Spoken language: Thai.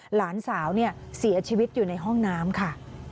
หลานสาวเสียชีวิตอยู่ในห้องน้ำค่ะ